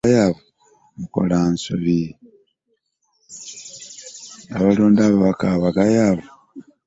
Abalonda ababaka abagayaavu mukola nsobi.